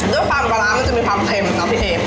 ความปลาร้ามันจะมีความเค็มนะพี่เอม